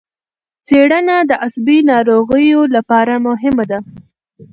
څېړنه د عصبي ناروغیو لپاره مهمه ده.